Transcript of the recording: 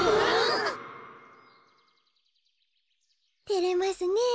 てれますねえ。